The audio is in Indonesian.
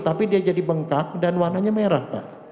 tapi dia jadi bengkak dan warnanya merah pak